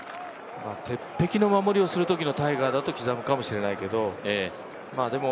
鉄壁の守りをするときのタイガーだと刻むかもしれないけど、でも、